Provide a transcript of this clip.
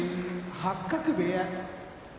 八角部屋